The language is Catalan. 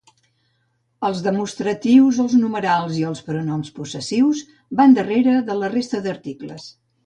Els demostratius, els numerals i els pronoms possessius van darrere de la resta d'articles.